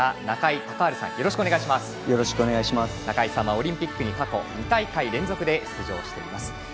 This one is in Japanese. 中井さんはオリンピックに過去２大会連続で出場しています。